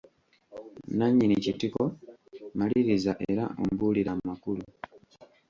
Nannyini kitiko, Maliriza era ombuulire amakulu.